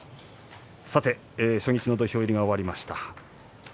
初日の土俵入りが終わりました。